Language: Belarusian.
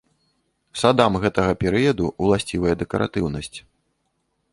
Садам гэтага перыяду ўласцівая дэкаратыўнасць.